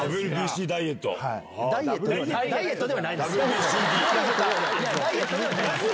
ダイエットではないです！